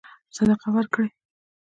صدقه ورکړي.